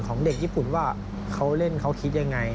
ของเด็กญี่ปุ่นว่าเขาเล่นเขาคิดยังไง